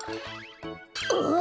あっ！